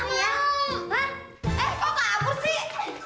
hah eh kok gak bersih